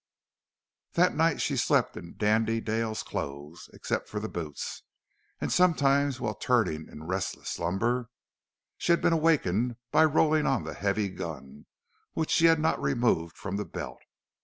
That night she had slept in Dandy Dale's clothes, except for the boots; and sometimes while turning in restless slumber she had been awakened by rolling on the heavy gun, which she had not removed from the belt.